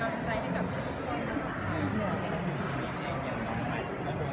วันนี้แน่นอนอย่างน้อยเนี่ยขอให้เรามีข้คมันใจ